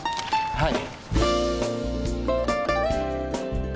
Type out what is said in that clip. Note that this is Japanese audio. はい。